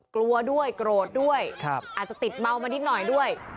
กลัวด้วยโกรธด้วยอาจจะติดเมามานิดหน่อยด้วย